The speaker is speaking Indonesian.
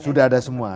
sudah ada semua